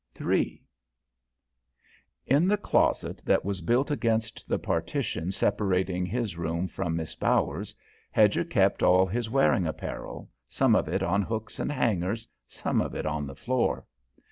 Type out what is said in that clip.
III In the closet that was built against the partition separating his room from Miss Bower's, Hedger kept all his wearing apparel, some of it on hooks and hangers, some of it on the floor.